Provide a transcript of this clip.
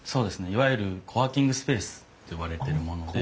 いわゆるコワーキングスペースといわれてるもので。